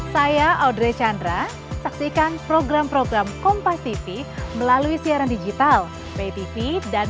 saya audrey chandra saksikan program program kompas tv melalui siaran digital pay tv dan